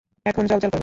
এখন জ্বলজ্বল করবে।